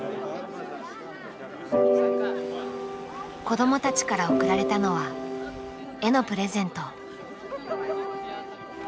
子どもたちから送られたのは絵のプレゼント。